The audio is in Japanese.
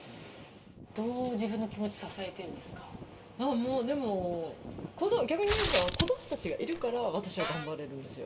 どう自分の気持ちを支えてるもう、でも、逆に言えば、子どもたちがいるから、私は頑張れるんですよ。